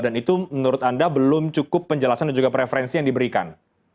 dan itu menurut anda belum cukup penjelasan dan preferensi yang diberikan